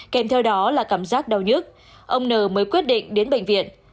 kèm theo đó là cảm giác đau nhất ông n mới quyết định đến bệnh viện